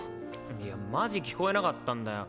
いやマジ聞こえなかったんだよ。